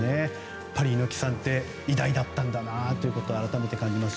やっぱり猪木さんって偉大だったんだなと改めて感じます。